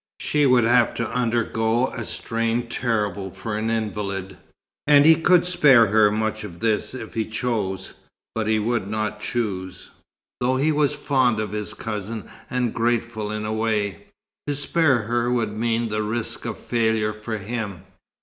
She would have to undergo a strain terrible for an invalid, and he could spare her much of this if he chose; but he would not choose, though he was fond of his cousin, and grateful in a way. To spare her would mean the risk of failure for him.